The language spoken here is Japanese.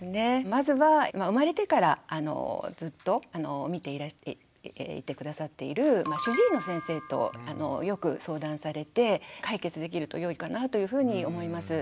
まずは生まれてからずっと見ていて下さっている主治医の先生とよく相談されて解決できるとよいかなというふうに思います。